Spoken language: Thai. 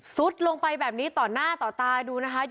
ลงไปแบบนี้ต่อหน้าต่อตาดูนะคะ